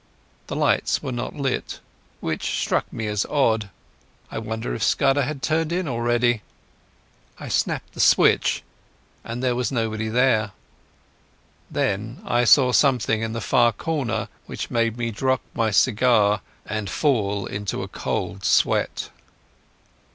The lights were not lit, which struck me as odd. I wondered if Scudder had turned in already. I snapped the switch, but there was nobody there. Then I saw something in the far corner which made me drop my cigar and fall into a cold sweat.